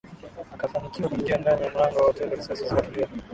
Akafanikiwa kuingia ndani ya mlango wa hoteli risasi zikatulia